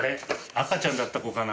赤ちゃんだった子かな？